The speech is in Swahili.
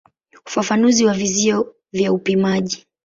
Ufafanuzi wa vizio vya upimaji.